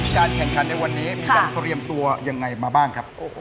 การแข่งขันในวันนี้มีการเตรียมตัวยังไงมาบ้างครับ